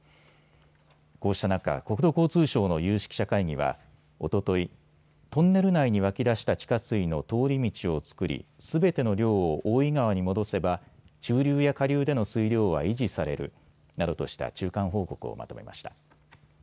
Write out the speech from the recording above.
こうした中、国土交通省の有識者会議はおととい、トンネル内に湧き出した地下水の通り道を造りすべての量を大井川に戻せば中流や下流での水量は維持されるなどとした中間報告をまとめました。